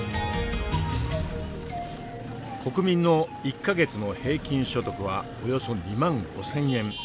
国民の１か月の平均所得はおよそ２万５，０００円。